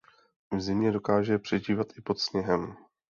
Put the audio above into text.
V zimě dokáže přežívat i pod sněhem.